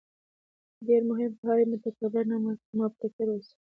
ډېر مهم پوهاوی: متکبِّر نه، مُبتَکِر اوسه